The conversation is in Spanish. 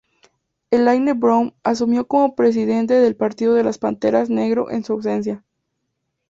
Elaine Brown asumió como presidente del Partido de las Panteras Negro en su ausencia.